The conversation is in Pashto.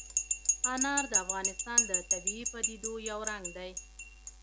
انار د افغانستان د طبیعي پدیدو یو رنګ دی.